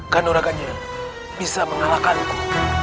kanuraganya bisa mengalahkanku